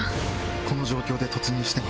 この状況で突入しても。